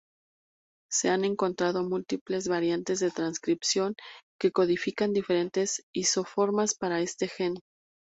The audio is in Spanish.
Se han encontrado múltiples variantes de transcripción que codifican diferentes isoformas para este gen.